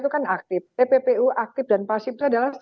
tukan aktif tppu aktif dan pasif terdalam